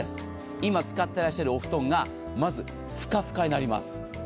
今、使ってらっしゃるお布団が、まずふかふかになります。